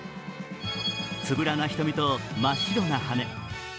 つぶらな瞳と真っ白な羽。